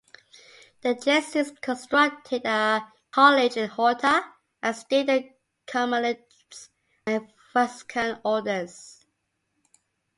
The Jesuits constructed a college in Horta, as did the Carmelites and Franciscan Orders.